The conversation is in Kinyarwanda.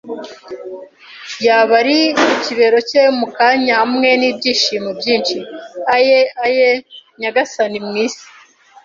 yaba ari ku kibero cye mu kanya, hamwe n'ibyishimo byinshi "Aye, aye, nyagasani!" mw'isi;